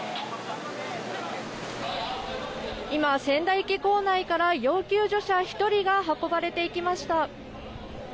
今、仙台駅構内から要救助者１人が運ばれていきました。